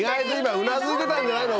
うなずいてたんじゃないの？